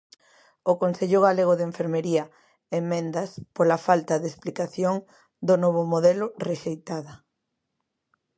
O Consello Galego de Enfermería, emendas pola falta de explicación do novo modelo; rexeitada.